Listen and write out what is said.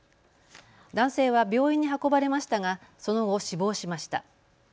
男性は病院に運ばれましたがその後、死亡しました。